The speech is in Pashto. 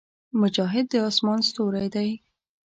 مجاهد د اسمان ستوری دی.